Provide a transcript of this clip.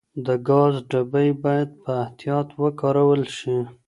د ګاز ډبې باید په احتیاط وکارول شي.